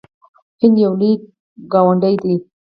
هند یو لوی ګاونډی دی.